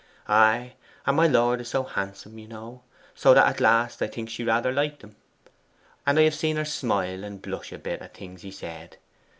Ay, and my lord is so handsome, you know, so that at last I think she rather liked him; and I have seen her smile and blush a bit at things he said.